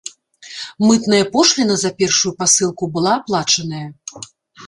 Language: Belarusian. Мытная пошліна за першую пасылку была аплачаная.